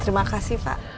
terima kasih pak